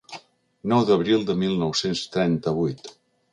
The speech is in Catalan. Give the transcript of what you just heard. Nou d'abril de mil nou-cents trenta-vuit.